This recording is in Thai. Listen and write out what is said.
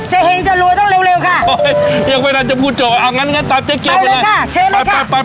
เจ๊เฮงจะรวยต้องเร็วค่ะโอ้โฮยยังไม่ได้หลังจะพูดโจ